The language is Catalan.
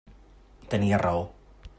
Tenia raó.